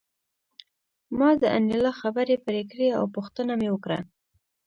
ما د انیلا خبرې پرې کړې او پوښتنه مې وکړه